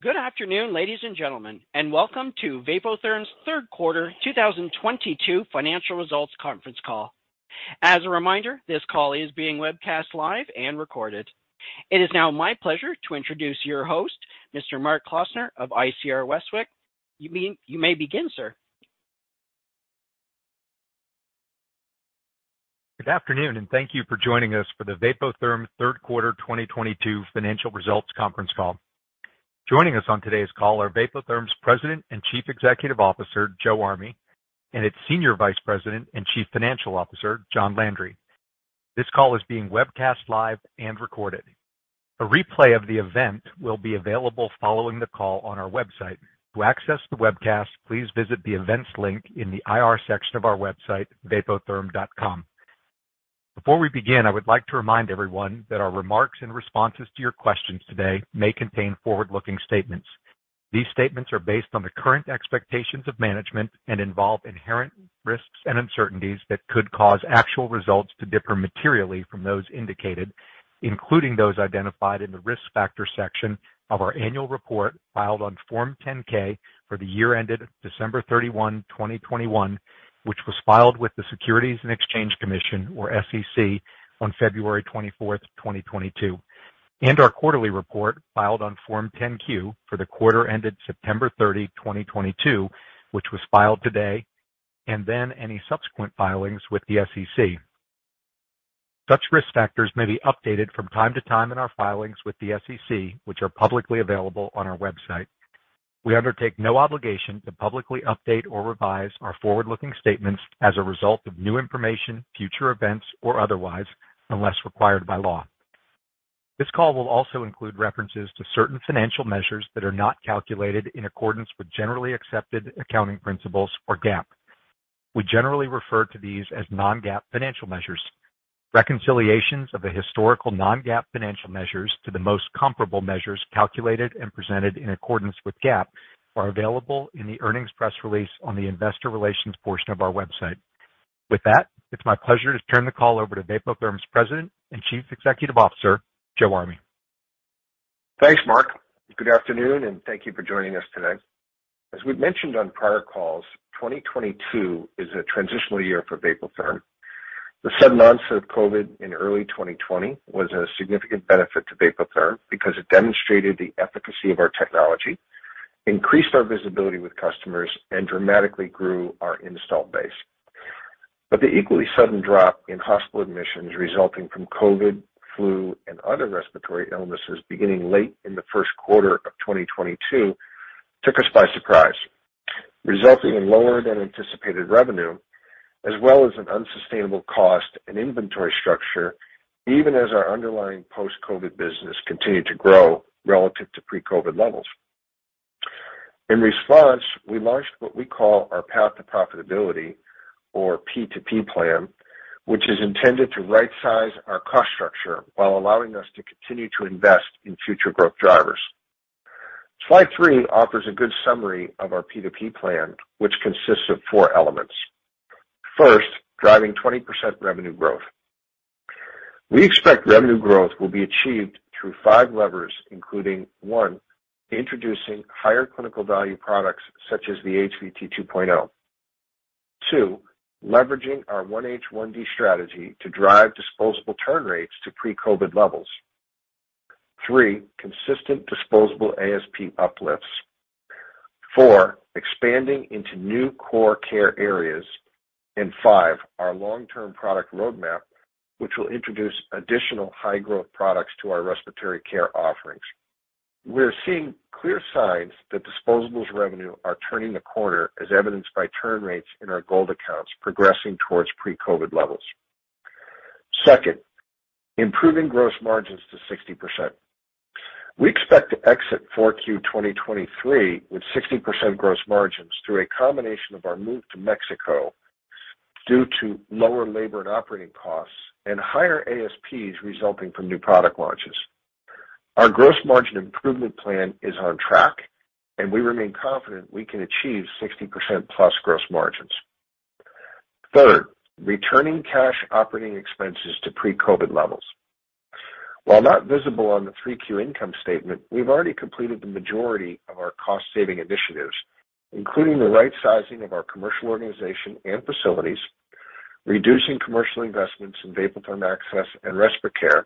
Good afternoon, ladies and gentlemen, and welcome to Vapotherm's Third Quarter 2022 Financial Results conference call. As a reminder, this call is being webcast live and recorded. It is now my pleasure to introduce your host, Mr. Mark Klausner of ICR Westwicke. You may begin, sir. Good afternoon, and thank you for joining us for the Vapotherm Third Quarter 2022 Financial Results conference call. Joining us on today's call are Vapotherm's President and Chief Executive Officer, Joe Army, and its Senior Vice President and Chief Financial Officer, John Landry. This call is being webcast live and recorded. A replay of the event will be available following the call on our website. To access the webcast, please visit the events link in the IR section of our website, vapotherm.com. Before we begin, I would like to remind everyone that our remarks and responses to your questions today may contain forward-looking statements. These statements are based on the current expectations of management and involve inherent risks and uncertainties that could cause actual results to differ materially from those indicated, including those identified in the Risk Factor section of our Annual Report filed on Form 10-K for the year ended December 31, 2021, which was filed with the Securities and Exchange Commission, or SEC, on February 24th, 2022, and our quarterly report filed on Form 10-Q for the quarter ended September 30, 2022, which was filed today, and then any subsequent filings with the SEC. Such risk factors may be updated from time to time in our filings with the SEC, which are publicly available on our website. We undertake no obligation to publicly update or revise our forward-looking statements as a result of new information, future events, or otherwise, unless required by law. This call will also include references to certain financial measures that are not calculated in accordance with generally accepted accounting principles, or GAAP. We generally refer to these as non-GAAP financial measures. Reconciliations of the historical non-GAAP financial measures to the most comparable measures calculated and presented in accordance with GAAP are available in the earnings press release on the investor relations portion of our website. With that, it's my pleasure to turn the call over to Vapotherm's President and Chief Executive Officer, Joe Army. Thanks, Mark. Good afternoon, and thank you for joining us today. As we've mentioned on prior calls, 2022 is a transitional year for Vapotherm. The sudden onset of COVID in early 2020 was a significant benefit to Vapotherm because it demonstrated the efficacy of our technology, increased our visibility with customers, and dramatically grew our installed base. The equally sudden drop in hospital admissions resulting from COVID, flu, and other respiratory illnesses beginning late in the first quarter of 2022 took us by surprise, resulting in lower than anticipated revenue as well as an unsustainable cost and inventory structure, even as our underlying post-COVID business continued to grow relative to pre-COVID levels. In response, we launched what we call our path to profitability or P2P plan, which is intended to right size our cost structure while allowing us to continue to invest in future growth drivers. Slide 3 offers a good summary of our P2P plan, which consists of four elements. First, driving 20% revenue growth. We expect revenue growth will be achieved through five levers, including, one, introducing higher clinical value products such as the HVT 2.0. Two, leveraging our 1H1D strategy to drive disposable turn rates to pre-COVID levels. Three, consistent disposable ASP uplifts. four, expanding into new core care areas. And five, our long-term product roadmap, which will introduce additional high-growth products to our respiratory care offerings. We're seeing clear signs that disposables revenue are turning the corner, as evidenced by turn rates in our gold accounts progressing towards pre-COVID levels. Second, improving gross margins to 60%. We expect to exit 4Q 2023 with 60% gross margins through a combination of our move to Mexico due to lower labor and operating costs and higher ASPs resulting from new product launches. Our gross margin improvement plan is on track, and we remain confident we can achieve 60%+ gross margins. Third, returning cash operating expenses to pre-COVID levels. While not visible on the 3Q income statement, we've already completed the majority of our cost saving initiatives, including the right sizing of our commercial organization and facilities, reducing commercial investments in Vapotherm Access and RespiCare,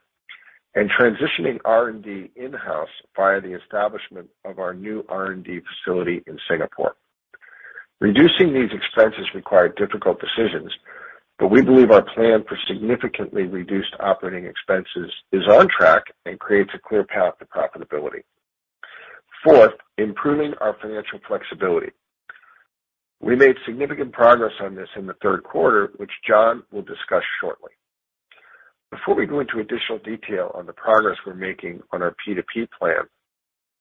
and transitioning R&D in-house via the establishment of our new R&D facility in Singapore. Reducing these expenses required difficult decisions, but we believe our plan for significantly reduced operating expenses is on track and creates a clear path to profitability. Fourth, improving our financial flexibility. We made significant progress on this in the third quarter, which John will discuss shortly. Before we go into additional detail on the progress we're making on our P2P plan,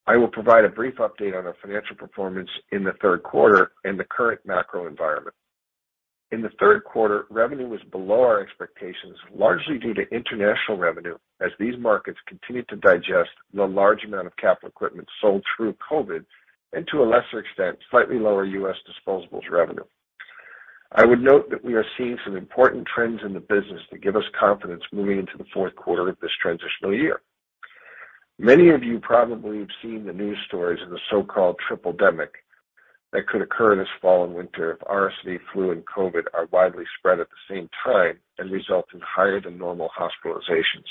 I will provide a brief update on our financial performance in the third quarter and the current macro environment. In the third quarter, revenue was below our expectations, largely due to international revenue, as these markets continued to digest the large amount of capital equipment sold through COVID and, to a lesser extent, slightly lower U.S. disposables revenue. I would note that we are seeing some important trends in the business that give us confidence moving into the fourth quarter of this transitional year. Many of you probably have seen the news stories of the so-called tripledemic that could occur this fall and winter if RSV, flu, and COVID are widely spread at the same time and result in higher than normal hospitalizations.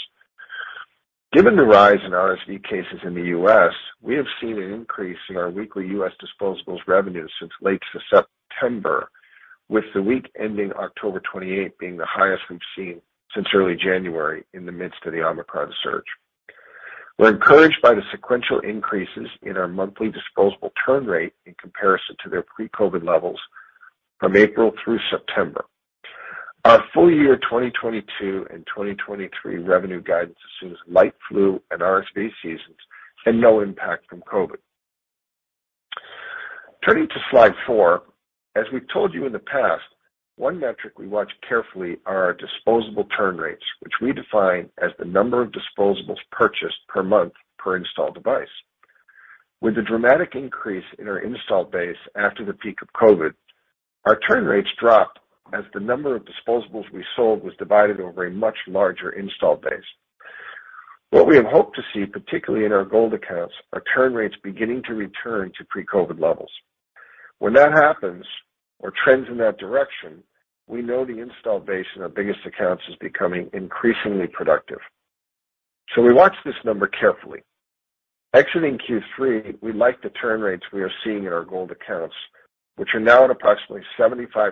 Given the rise in RSV cases in the U.S., we have seen an increase in our weekly U.S. disposables revenue since late September, with the week ending October 28 being the highest we've seen since early January in the midst of the Omicron surge. We're encouraged by the sequential increases in our monthly disposable turn rate in comparison to their pre-COVID levels from April through September. Our full year 2022 and 2023 revenue guidance assumes light flu and RSV seasons and no impact from COVID. Turning to Slide 4. As we've told you in the past, one metric we watch carefully are our disposable turn rates, which we define as the number of disposables purchased per month per installed device. With the dramatic increase in our installed base after the peak of COVID, our turn rates dropped as the number of disposables we sold was divided over a much larger installed base. What we have hoped to see, particularly in our gold accounts, are turn rates beginning to return to pre-COVID levels. When that happens or trends in that direction, we know the installed base in our biggest accounts is becoming increasingly productive. We watch this number carefully. Exiting 3Q, we like the turn rates we are seeing in our gold accounts, which are now at approximately 75%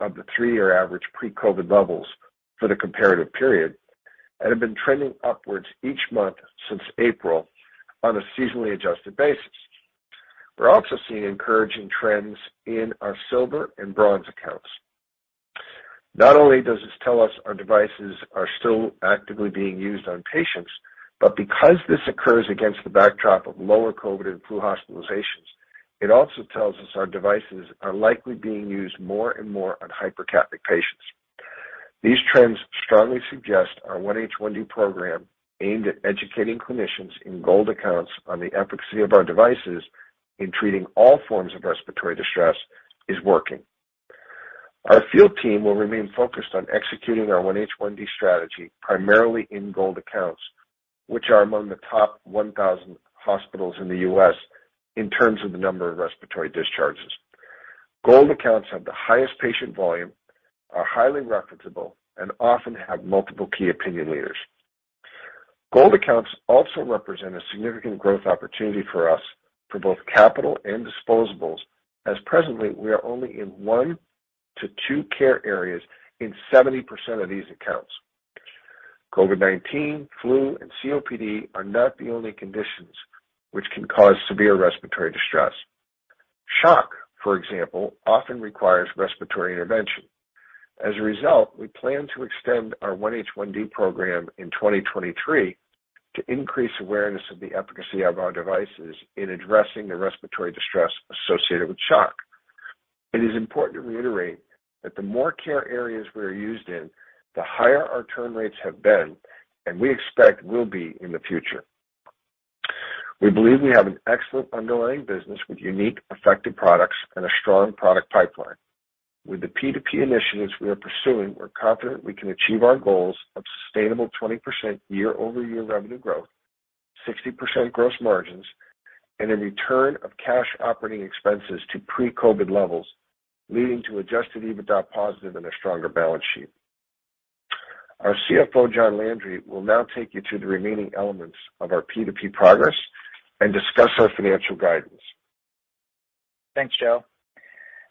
of the three-year average pre-COVID levels for the comparative period and have been trending upwards each month since April on a seasonally adjusted basis. We're also seeing encouraging trends in our silver and bronze accounts. Not only does this tell us our devices are still actively being used on patients, but because this occurs against the backdrop of lower COVID and flu hospitalizations, it also tells us our devices are likely being used more and more on hypercapnic patients. These trends strongly suggest our 1H1D program, aimed at educating clinicians in gold accounts on the efficacy of our devices in treating all forms of respiratory distress, is working. Our field team will remain focused on executing our 1H1D strategy primarily in gold accounts, which are among the top 1,000 hospitals in the U.S. in terms of the number of respiratory discharges. Gold accounts have the highest patient volume, are highly referable, and often have multiple key opinion leaders. Gold accounts also represent a significant growth opportunity for us for both capital and disposables, as presently we are only in one to two care areas in 70% of these accounts. COVID-19, flu, and COPD are not the only conditions which can cause severe respiratory distress. Shock, for example, often requires respiratory intervention. As a result, we plan to extend our 1H1D program in 2023 to increase awareness of the efficacy of our devices in addressing the respiratory distress associated with shock. It is important to reiterate that the more care areas we are used in, the higher our turn rates have been and we expect will be in the future. We believe we have an excellent underlying business with unique, effective products and a strong product pipeline. With the P2P initiatives we are pursuing, we're confident we can achieve our goals of sustainable 20% year-over-year revenue growth, 60% gross margins, and a return of cash operating expenses to pre-COVID levels, leading to adjusted EBITDA positive and a stronger balance sheet. Our CFO, John Landry, will now take you through the remaining elements of our P2P progress and discuss our financial guidance. Thanks, Joe.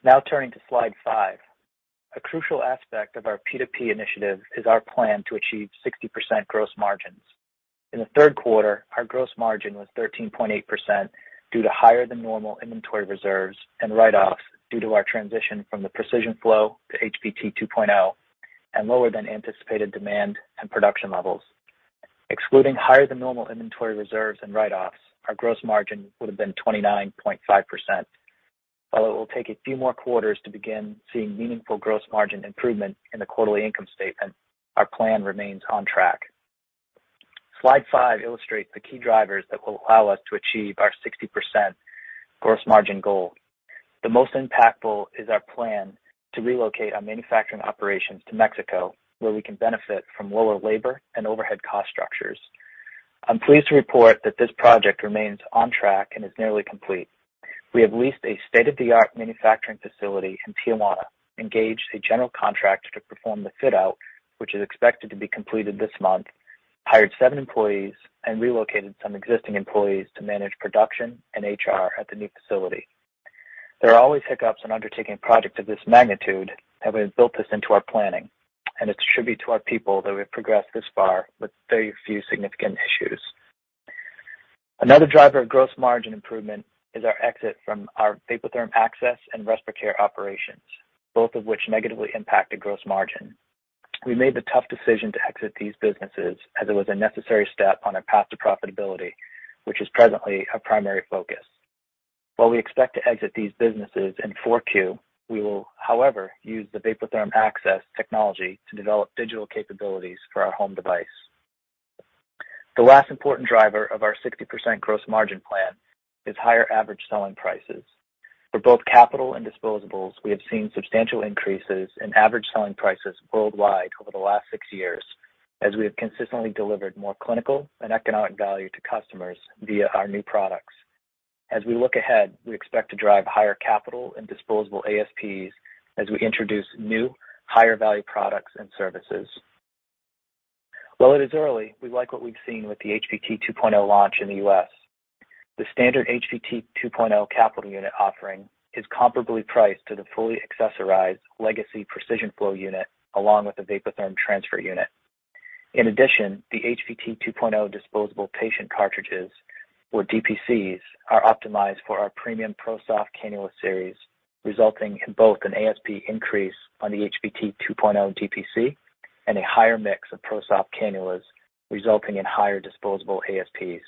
Now turning to Slide 5. A crucial aspect of our P2P initiative is our plan to achieve 60% gross margins. In the third quarter, our gross margin was 13.8% due to higher than normal inventory reserves and write-offs, due to our transition from the Precision Flow to HVT 2.0, and lower than anticipated demand and production levels. Excluding higher than normal inventory reserves and write-offs, our gross margin would have been 29.5%. Although it will take a few more quarters to begin seeing meaningful gross margin improvement in the quarterly income statement, our plan remains on track. Slide 5 illustrates the key drivers that will allow us to achieve our 60% gross margin goal. The most impactful is our plan to relocate our manufacturing operations to Mexico, where we can benefit from lower labor and overhead cost structures. I'm pleased to report that this project remains on track and is nearly complete. We have leased a state-of-the-art manufacturing facility in Tijuana, engaged a general contractor to perform the fit-out, which is expected to be completed this month, hired seven employees, and relocated some existing employees to manage production and HR at the new facility. There are always hiccups when undertaking a project of this magnitude, and we have built this into our planning, and it's a tribute to our people that we've progressed this far with very few significant issues. Another driver of gross margin improvement is our exit from our Vapotherm Access and RespiCare operations, both of which negatively impacted gross margin. We made the tough decision to exit these businesses as it was a necessary step on our path to profitability, which is presently our primary focus. While we expect to exit these businesses in 4Q, we will, however, use the Vapotherm Access technology to develop digital capabilities for our home device. The last important driver of our 60% gross margin plan is higher average selling prices. For both capital and disposables, we have seen substantial increases in average selling prices worldwide over the last six years as we have consistently delivered more clinical and economic value to customers via our new products. As we look ahead, we expect to drive higher capital and disposable ASPs as we introduce new higher value products and services. While it is early, we like what we've seen with the HVT 2.0 launch in the U.S. The standard HVT 2.0 capital unit offering is comparably priced to the fully accessorized legacy Precision Flow unit along with the Vapotherm transfer unit. In addition, the HVT 2.0 disposable patient cartridges, or DPCs, are optimized for our premium ProSoft cannula series, resulting in both an ASP increase on the HVT 2.0 DPC and a higher mix of ProSoft cannulas, resulting in higher disposable ASPs.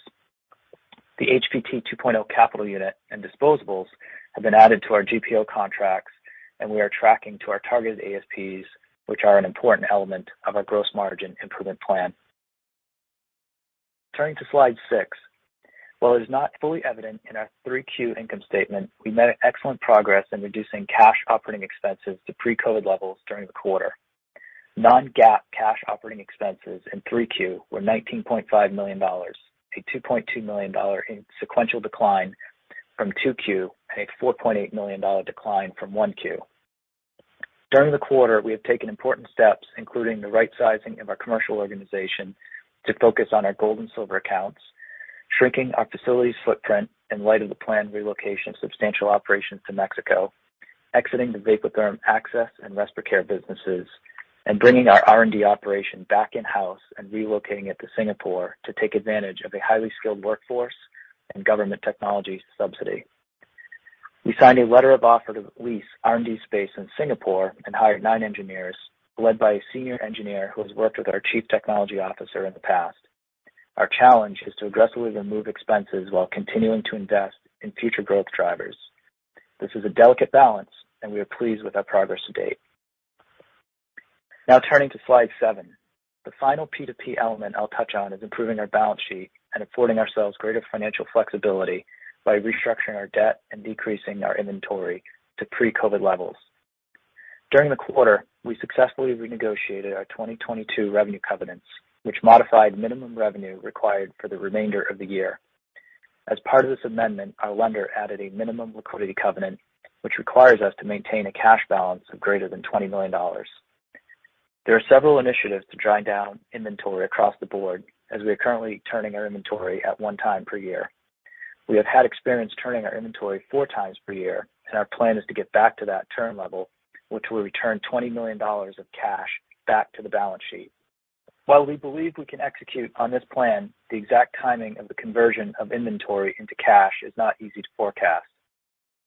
The HVT 2.0 capital unit and disposables have been added to our GPO contracts, and we are tracking to our targeted ASPs, which are an important element of our gross margin improvement plan. Turning to Slide 6. While it is not fully evident in our 3Q income statement, we made excellent progress in reducing cash operating expenses to pre-COVID levels during the quarter. Non-GAAP cash operating expenses in 3Q were $19.5 million to $2.2 million decline from 2Q and a $4.8 million decline from 1Q. During the quarter, we have taken important steps, including the right sizing of our commercial organization to focus on our gold and silver accounts, shrinking our facilities footprint in light of the planned relocation of substantial operations to Mexico, exiting the Vapotherm Access and RespiCare businesses, and bringing our R&D operation back in-house and relocating it to Singapore to take advantage of a highly skilled workforce and government technology subsidy. We signed a letter of offer to lease R&D space in Singapore and hired nine engineers, led by a Senior engineer who has worked with our Chief Technology Officer in the past. Our challenge is to aggressively remove expenses while continuing to invest in future growth drivers. This is a delicate balance, and we are pleased with our progress to date. Now turning to Slide 7. The final P2P element I'll touch on is improving our balance sheet and affording ourselves greater financial flexibility by restructuring our debt and decreasing our inventory to pre-COVID levels. During the quarter, we successfully renegotiated our 2022 revenue covenants, which modified minimum revenue required for the remainder of the year. As part of this amendment, our lender added a minimum liquidity covenant, which requires us to maintain a cash balance of greater than $20 million. There are several initiatives to drive down inventory across the Board, as we are currently turning our inventory at one time per year. We have had experience turning our inventory four times per year, and our plan is to get back to that turn level, which will return $20 million of cash back to the balance sheet. While we believe we can execute on this plan, the exact timing of the conversion of inventory into cash is not easy to forecast.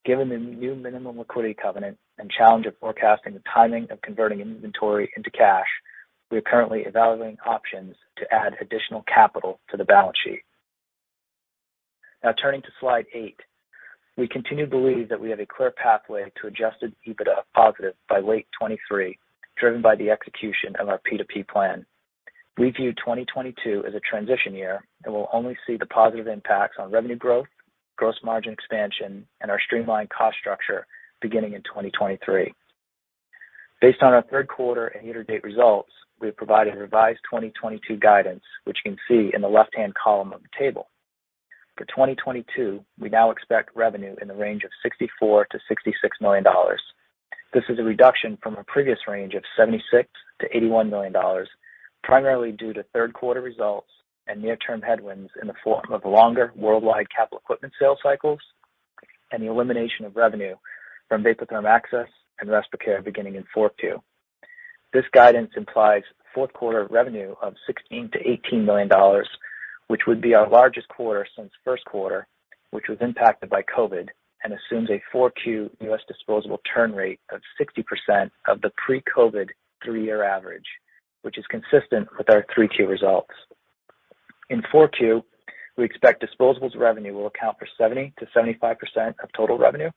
Given the new minimum liquidity covenant and challenge of forecasting the timing of converting inventory into cash, we are currently evaluating options to add additional capital to the balance sheet. Now turning to Slide 8. We continue to believe that we have a clear pathway to adjusted EBITDA positive by late 2023, driven by the execution of our P2P plan. We view 2022 as a transition year, and we'll only see the positive impacts on revenue growth, gross margin expansion, and our streamlined cost structure beginning in 2023. Based on our third quarter and year-to-date results, we have provided revised 2022 guidance, which you can see in the left-hand column of the table. For 2022, we now expect revenue in the range of $64 million-$66 million. This is a reduction from a previous range of $76 million-$81 million, primarily due to third quarter results and near-term headwinds in the form of longer worldwide capital equipment sales cycles and the elimination of revenue from Vapotherm Access and RespiCare beginning in 4Q. This guidance implies fourth quarter revenue of $16 million-$18 million, which would be our largest quarter since first quarter, which was impacted by COVID and assumes a 4Q U.S. disposable turn rate of 60% of the pre-COVID three-year average, which is consistent with our 3Q results. In 4Q, we expect disposables revenue will account for 70%-75% of total revenue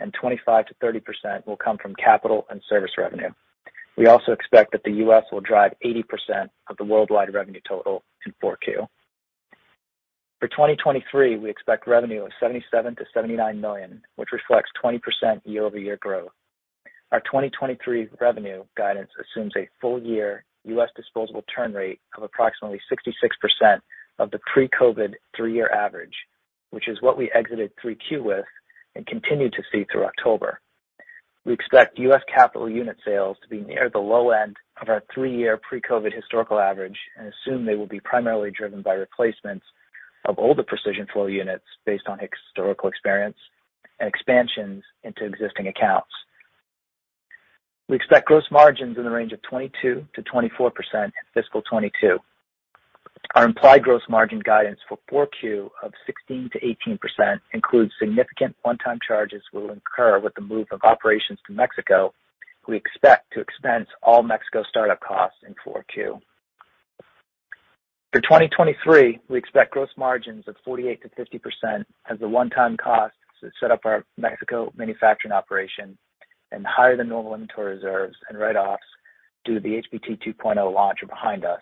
and 25%-30% will come from capital and service revenue. We also expect that the U.S. will drive 80% of the worldwide revenue total in 4Q. For 2023, we expect revenue of $77 million-$79 million, which reflects 20% year-over-year growth. Our 2023 revenue guidance assumes a full year U.S. disposable turn rate of approximately 66% of the pre-COVID three-year average, which is what we exited 3Q with and continue to see through October. We expect U.S. capital unit sales to be near the low end of our three-year pre-COVID historical average and assume they will be primarily driven by replacements of older Precision Flow units based on historical experience and expansions into existing accounts. We expect gross margins in the range of 22%-24% in fiscal 2022. Our implied gross margin guidance for 4Q of 16%-18% includes significant one-time charges we will incur with the move of operations to Mexico. We expect to expense all Mexico start-up costs in 4Q. For 2023, we expect gross margins of 48%-50% as the one-time costs to set up our Mexico manufacturing operation and higher than normal inventory reserves and write-offs due to the HVT 2.0 launch are behind us.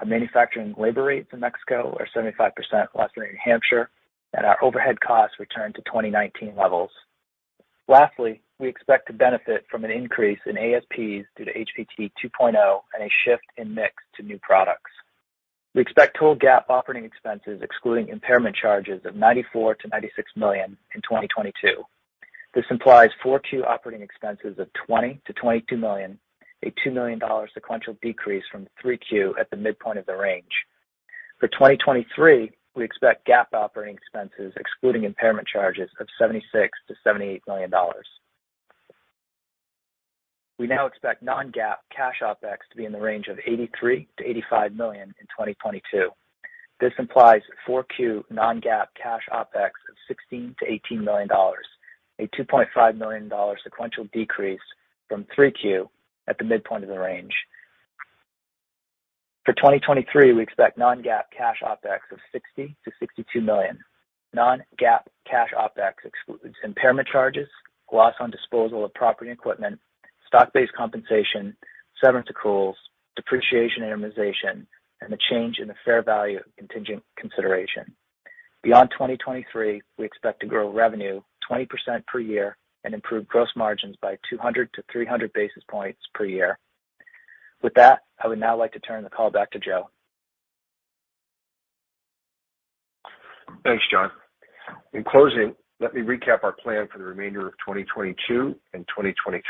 Our manufacturing labor rates in Mexico are 75% less than in New Hampshire, and our overhead costs returned to 2019 levels. Lastly, we expect to benefit from an increase in ASPs due to HVT 2.0 and a shift in mix to new products. We expect total GAAP operating expenses excluding impairment charges of $94 million-$96 million in 2022. This implies 4Q operating expenses of $20 million-$22 million, a $2 million sequential decrease from 3Q at the midpoint of the range. For 2023, we expect GAAP operating expenses excluding impairment charges of $76 million-$78 million. We now expect non-GAAP cash OpEx to be in the range of $83 million-$85 million in 2022. This implies 4Q non-GAAP cash OpEx of $16 million-$18 million, a $2.5 million sequential decrease from 3Q at the midpoint of the range. For 2023, we expect non-GAAP cash OpEx of $60 million-$62 million. Non-GAAP cash OpEx excludes impairment charges, loss on disposal of property and equipment, stock-based compensation, severance accruals, depreciation, amortization, and the change in the fair value of contingent consideration. Beyond 2023, we expect to grow revenue 20% per year and improve gross margins by 200-300 basis points per year. With that, I would now like to turn the call back to Joe. Thanks, John. In closing, let me recap our plan for the remainder of 2022 and 2023.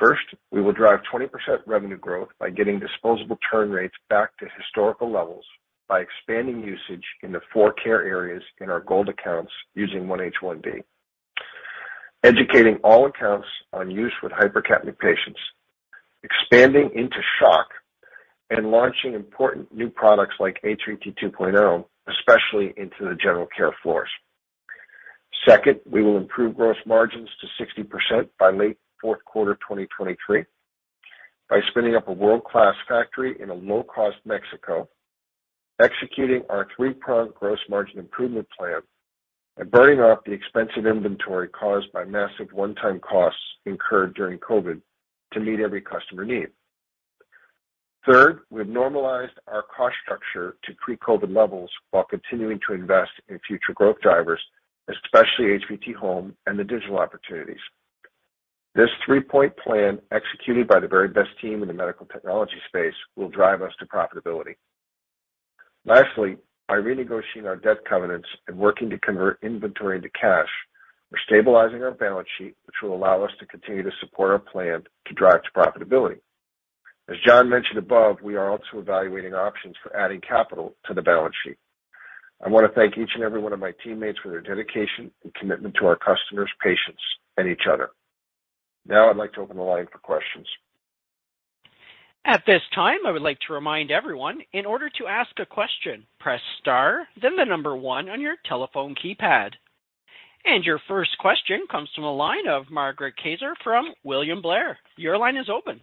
First, we will drive 20% revenue growth by getting disposable turn rates back to historical levels by expanding usage in the four care areas in our gold accounts using 1H1D, educating all accounts on use with hypercapnic patients, expanding into shock and launching important new products like HVT 2.0, especially into the general care floors. Second, we will improve gross margins to 60% by late fourth quarter of 2023 by spinning up a world-class factory in a low-cost Mexico, executing our three-prong gross margin improvement plan, and burning off the expensive inventory caused by massive one-time costs incurred during COVID to meet every customer need. Third, we've normalized our cost structure to pre-COVID levels while continuing to invest in future growth drivers, especially HVT Home and the digital opportunities. This three-point plan, executed by the very best team in the medical technology space, will drive us to profitability. Lastly, by renegotiating our debt covenants and working to convert inventory into cash, we're stabilizing our balance sheet, which will allow us to continue to support our plan to drive to profitability. As John mentioned above, we are also evaluating options for adding capital to the balance sheet. I want to thank each and every one of my teammates for their dedication and commitment to our customers, patients, and each other. Now I'd like to open the line for questions. At this time, I would like to remind everyone in order to ask a question, press star then the number one on your telephone keypad. Your first question comes from the line of Margaret Kaczor from William Blair. Your line is open.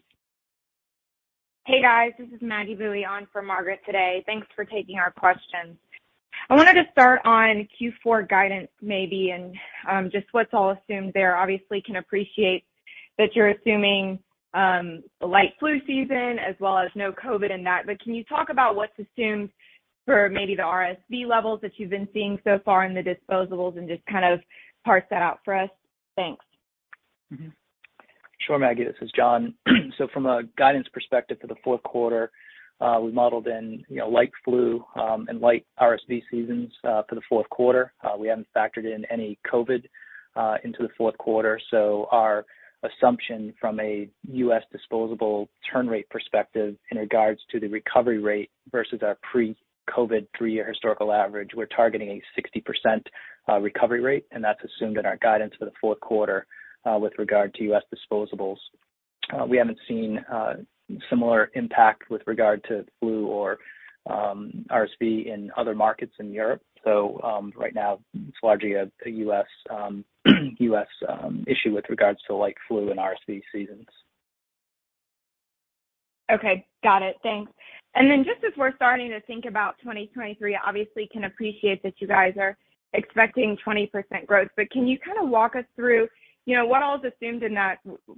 Hey, guys, this is Maggie Boeye for Margaret today. Thanks for taking our questions. I wanted to start on Q4 guidance maybe, and just what's all assumed there. Obviously can appreciate that you're assuming light flu season as well as no COVID in that. Can you talk about what's assumed for maybe the RSV levels that you've been seeing so far in the disposables and just kind of parse that out for us? Thanks. Sure, Maggie. This is John. From a guidance perspective for the fourth quarter, we modeled in, you know, light flu and light RSV seasons for the fourth quarter. We haven't factored in any COVID into the fourth quarter. Our assumption from a US disposable turn rate perspective in regards to the recovery rate versus our pre-COVID three-year historical average, we're targeting a 60% recovery rate, and that's assumed in our guidance for the fourth quarter with regard to U.S. disposables. We haven't seen similar impact with regard to flu or RSV in other markets in Europe. Right now it's largely a US issue with regards to like flu and RSV seasons. Okay. Got it. Thanks. Just as we're starting to think about 2023, obviously can appreciate that you guys are expecting 20% growth, but can you kind of walk us through, you know, what all is assumed in that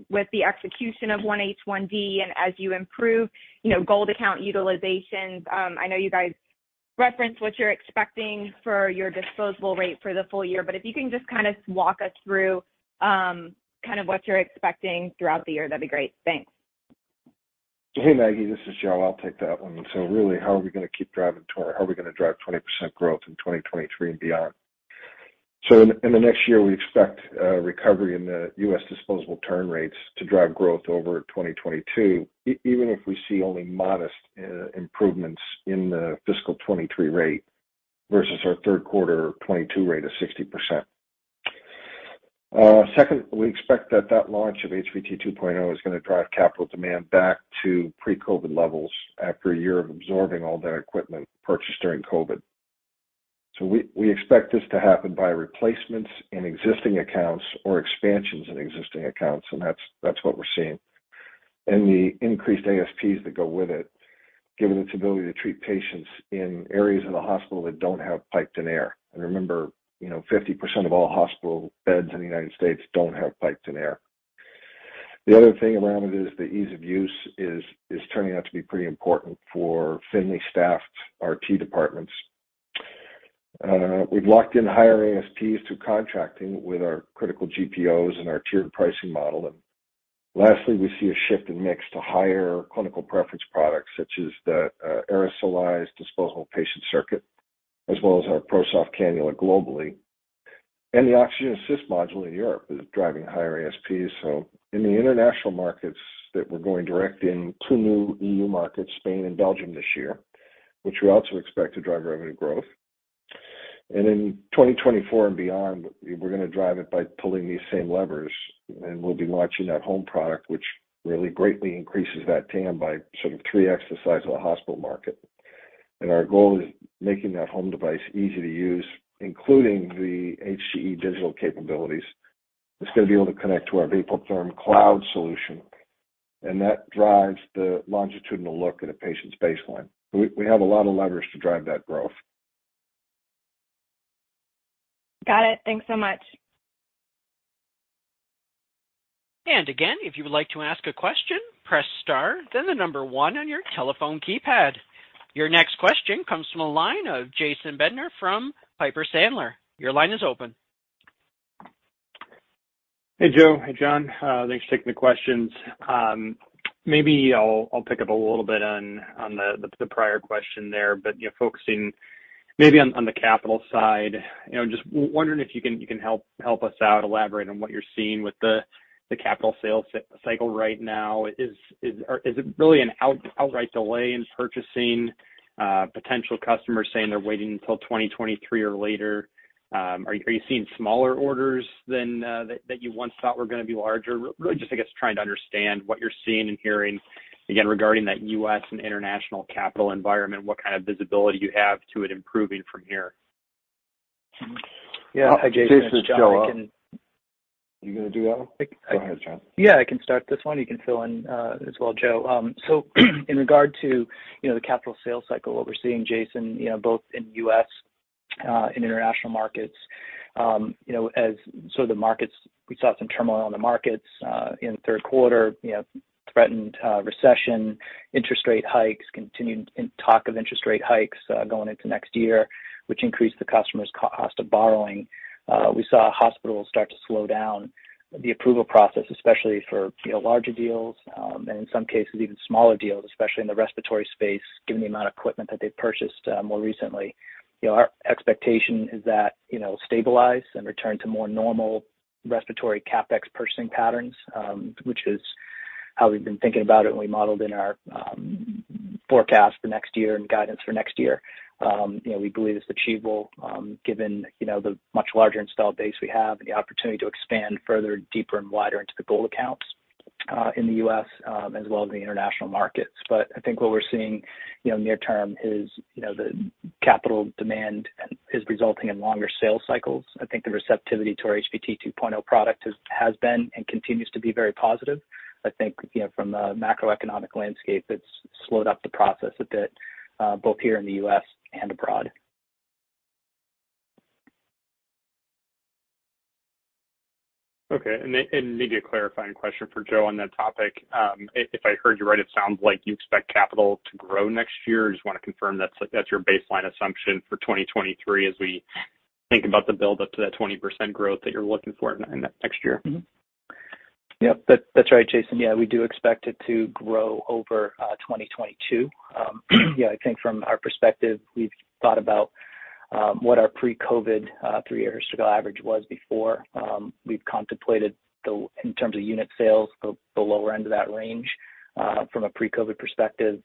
with the execution of 1H1D and as you improve, you know, gold account utilizations? I know you guys referenced what you're expecting for your disposable rate for the full year, but if you can just kind of walk us through, kind of what you're expecting throughout the year, that'd be great. Thanks. Hey, Maggie, this is Joe. I'll take that one. Really, how are we gonna drive 20% growth in 2023 and beyond? In the next year, we expect recovery in the U.S. disposable turn rates to drive growth over 2022 even if we see only modest improvements in the fiscal 2023 rate versus our third quarter 2022 rate of 60%. Second, we expect that launch of HVT 2.0 is gonna drive capital demand back to pre-COVID levels after a year of absorbing all that equipment purchased during COVID. We expect this to happen by replacements in existing accounts or expansions in existing accounts, and that's what we're seeing. The increased ASPs that go with it, given its ability to treat patients in areas of the hospital that don't have piped in air. Remember, you know, 50% of all hospital beds in the United States don't have piped in air. The other thing around it is the ease of use is turning out to be pretty important for thinly staffed RT departments. We've locked in higher ASPs through contracting with our critical GPOs and our tiered pricing model. Lastly, we see a shift in mix to higher clinical preference products such as the Aerosol Disposable Patient Circuit, as well as our ProSoft cannula globally. The Oxygen Assist Module in Europe is driving higher ASPs. In the international markets that we're going direct in two new EU markets, Spain and Belgium this year, which we also expect to drive revenue growth. In 2024 and beyond, we're going to drive it by pulling these same levers, and we'll be launching that home product, which really greatly increases that TAM by sort of 3x the size of the hospital market. Our goal is making that home device easy to use, including the HCE digital capabilities. It's going to be able to connect to our Vapotherm Cloud solution, and that drives the longitudinal look at a patient's baseline. We have a lot of levers to drive that growth. Got it. Thanks so much. Again, if you would like to ask a question, press star, then the number one on your telephone keypad. Your next question comes from the line of Jason Bednar from Piper Sandler. Your line is open. Hey, Joe. Hey, John. Thanks for taking the questions. Maybe I'll pick up a little bit on the prior question there, but you know, focusing maybe on the capital side. You know, just wondering if you can help us out, elaborate on what you're seeing with the capital sales cycle right now. Or is it really an outright delay in purchasing, potential customers saying they're waiting until 2023 or later? Are you seeing smaller orders than that you once thought were going to be larger? Really just, I guess, trying to understand what you're seeing and hearing, again, regarding that U.S. and international capital environment, what kind of visibility you have to it improving from here. Yeah. Hi, Jason. It's John. I can- This is Joe. Are you gonna do that one? Go ahead, John. Yeah, I can start this one. You can fill in as well, Joe. So in regard to, you know, the capital sales cycle, what we're seeing, Jason, you know, both in U.S. and international markets, you know, as some of the markets we saw some turmoil in the markets in the third quarter, you know, threatened recession, interest rate hikes, continuing talk of interest rate hikes going into next year, which increased the customer's cost of borrowing. We saw hospitals start to slow down the approval process, especially for, you know, larger deals and in some cases, even smaller deals, especially in the respiratory space, given the amount of equipment that they've purchased more recently. You know, our expectation is that, you know, stabilize and return to more normal respiratory CapEx purchasing patterns, which is how we've been thinking about it and we modeled in our forecast for next year and guidance for next year. You know, we believe it's achievable, given, you know, the much larger installed base we have and the opportunity to expand further, deeper and wider into the gold accounts in the U.S., as well as the international markets. I think what we're seeing, you know, near term is, you know, the CapEx demand is resulting in longer sales cycles. I think the receptivity to our HVT 2.0 product has been and continues to be very positive. I think, you know, from a macroeconomic landscape, it's slowed up the process a bit, both here in the U.S. and abroad. Okay. Maybe a clarifying question for Joe on that topic. If I heard you right, it sounds like you expect CapEx to grow next year. Just want to confirm that's your baseline assumption for 2023 as we think about the build up to that 20% growth that you're looking for next year. That's right, Jason. Yeah, we do expect it to grow over 2022. I think from our perspective, we've thought about what our pre-COVID three-year historical average was before. We've contemplated in terms of unit sales the lower end of that range from a pre-COVID perspective.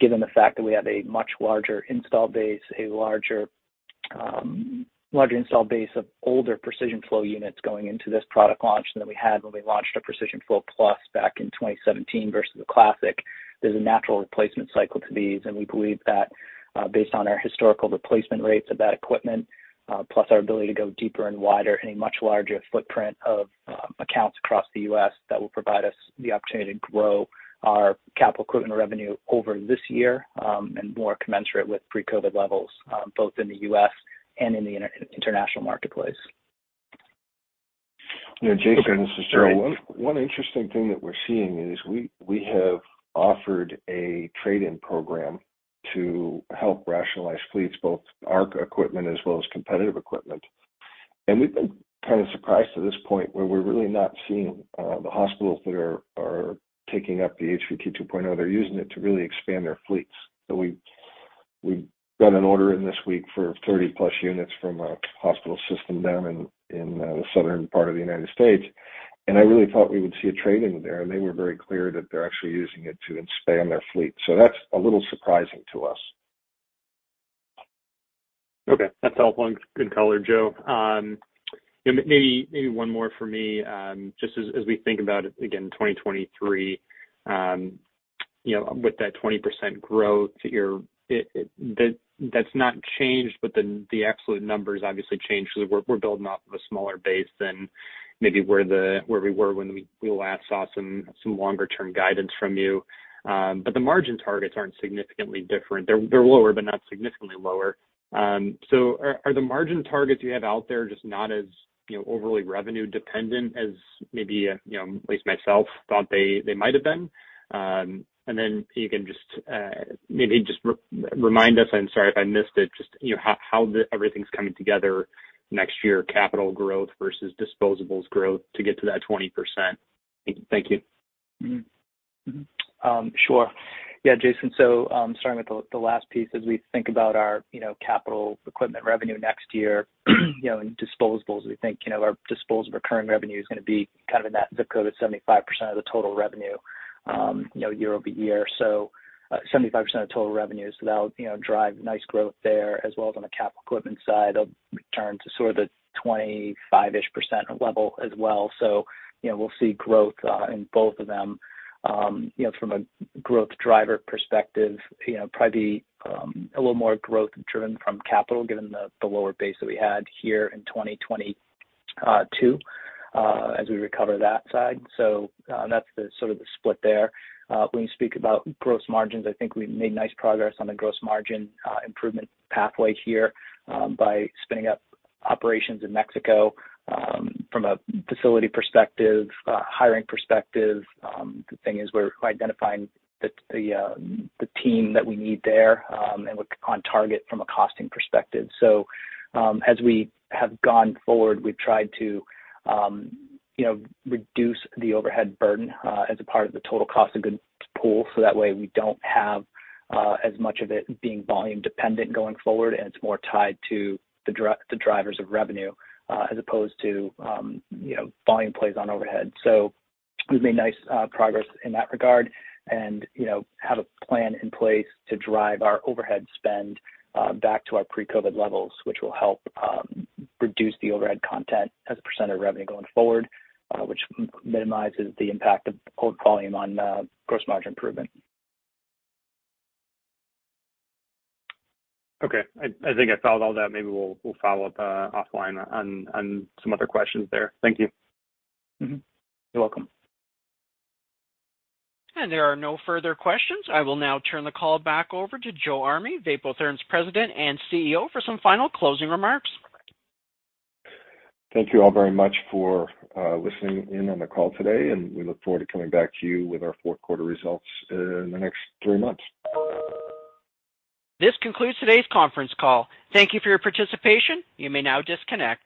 Given the fact that we have a much larger installed base of older Precision Flow units going into this product launch than we had when we launched our Precision Flow+ back in 2017 versus the Classic, there's a natural replacement cycle to these. We believe that, based on our historical replacement rates of that equipment, plus our ability to go deeper and wider in a much larger footprint of accounts across the U.S., that will provide us the opportunity to grow our capital equipment revenue over this year, and more commensurate with pre-COVID levels, both in the U.S. and in the international marketplace. You know, Jason, this is Joe. Okay. One interesting thing that we're seeing is we have offered a trade-in program to help rationalize fleets, both our equipment as well as competitive equipment. We've been kind of surprised to this point where we're really not seeing the hospitals that are taking up the HVT 2.0. They're using it to really expand their fleets. We got an order in this week for 30-plus units from a hospital system down in the southern part of the United States, and I really thought we would see a trade-in there, and they were very clear that they're actually using it to expand their fleet. That's a little surprising to us. Okay. That's helpful. Good color, Joe. Maybe one more for me. Just as we think about, again, 2023, you know, with that 20% growth that's not changed, but the absolute numbers obviously changed. We're building off of a smaller base than maybe where we were when we last saw some longer-term guidance from you. The margin targets aren't significantly different. They're lower, but not significantly lower. Are the margin targets you have out there just not as, you know, overly revenue dependent as maybe, you know, at least myself thought they might have been? You can just, maybe just remind us, I'm sorry if I missed it, just, you know, how everything's coming together next year, capital growth versus disposables growth to get to that 20%. Thank you. Sure. Yeah, Jason, starting with the last piece, as we think about our, you know, capital equipment revenue next year, you know, and disposables, we think, you know, our disposable recurring revenue is gonna be kind of in that code of 75% of the total revenue, you know, year-over-year. So 75% of total revenue, so that'll, you know, drive nice growth there, as well as on the capital equipment side of return to sort of the 25%-ish level as well. You know, we'll see growth in both of them. You know, from a growth driver perspective, you know, probably a little more growth driven from capital given the lower base that we had here in 2022 as we recover that side. That's the sort of split there. When you speak about gross margins, I think we've made nice progress on the gross margin improvement pathway here by spinning up operations in Mexico from a facility perspective, hiring perspective. The thing is we're identifying the team that we need there, and we're on target from a costing perspective. As we have gone forward, we've tried to you know reduce the overhead burden as a part of the total cost of goods pool, so that way we don't have as much of it being volume dependent going forward, and it's more tied to the drivers of revenue as opposed to you know volume plays on overhead. We've made nice progress in that regard and, you know, have a plan in place to drive our overhead spend back to our pre-COVID levels, which will help reduce the overhead content as a % of revenue going forward, which minimizes the impact of volume on gross margin improvement. Okay. I think I followed all that. Maybe we'll follow up offline on some other questions there. Thank you. Mm-hmm. You're welcome. There are no further questions. I will now turn the call back over to Joe Army, Vapotherm's President and CEO, for some final closing remarks. Thank you all very much for listening in on the call today, and we look forward to coming back to you with our fourth quarter results in the next three months. This concludes today's conference call. Thank you for your participation. You may now disconnect.